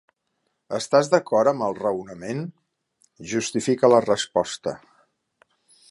Estàs d'acord amb el raonament? Justifica la resposta.